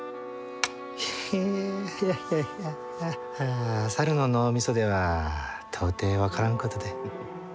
ヘヘッいやいや猿の脳みそでは到底分からんことで。